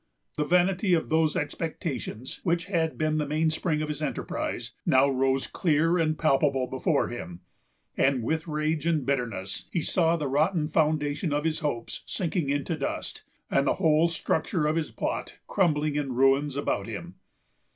The vanity of those expectations, which had been the mainspring of his enterprise, now rose clear and palpable before him; and, with rage and bitterness, he saw the rotten foundation of his hopes sinking into dust, and the whole structure of his plot crumbling in ruins about him.